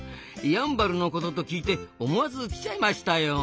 やんばるのことと聞いて思わず来ちゃいましたよ。